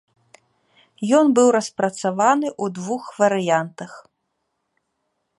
Ён быў распрацаваны ў двух варыянтах.